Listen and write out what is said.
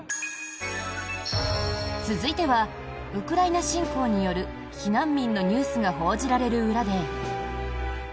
続いては、ウクライナ侵攻による避難民のニュースが報じられる裏で。